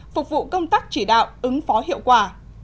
phục vụ công tác chỉ đạo ứng phó hiệu quả